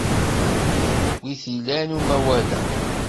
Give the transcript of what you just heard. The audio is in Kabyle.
Wi t-ilan umawal-a?